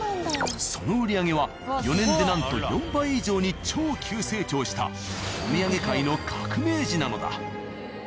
その売り上げは４年でなんと４倍以上に超急成長したお土産界の革命児なのだ。